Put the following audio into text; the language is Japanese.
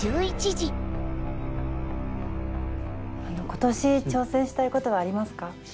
あの今年挑戦したいことはありますか？